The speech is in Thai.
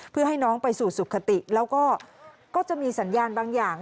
เพื่อให้น้องไปสู่สุขติแล้วก็ก็จะมีสัญญาณบางอย่าง